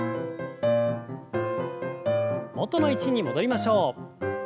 元の位置に戻りましょう。